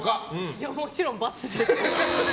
いや、もちろん×。